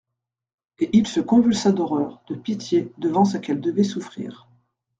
Et il se convulsa d’horreur, de pitié, devant ce qu’elle devait souffrir.